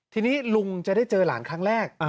ทีนี้ลุงจะได้เจอหลานครั้งแรก